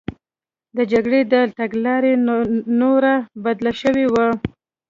د جګړې دا تګلاره نوره بدله شوې وه